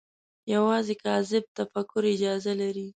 یوازې کاذب تفکر اجازه لري